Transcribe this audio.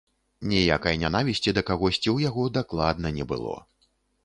Ніякай нянавісці да кагосьці ў яго дакладна не было.